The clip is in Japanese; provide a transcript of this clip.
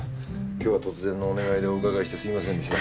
今日は突然のお願いでお伺いしてすみませんでした。